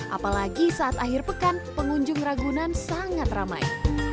apalagi saat akhir pekan pengunjung ragunan sangat ramai